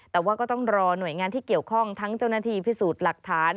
แต่ว่าก็ต้องรอหน่วยงานที่เกี่ยวข้องทั้งเจ้าหน้าที่พิสูจน์หลักฐาน